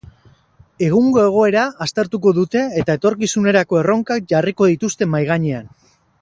Egungo egoera aztertuko dute eta etorkizunerako erronkak jarriko dituzte mahai gainean.